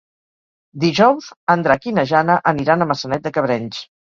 Dijous en Drac i na Jana aniran a Maçanet de Cabrenys.